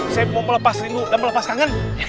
saya mau melepas rindu dan melepas tangan